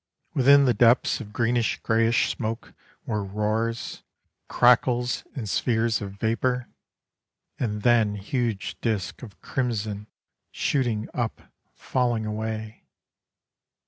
Within the depths of greenish greyish smoke Were roars, Crackles and spheres of vapour, And then Huge disks of crimson shooting up, falling away.